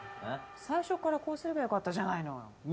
最初からこうすれば良かったじゃないの。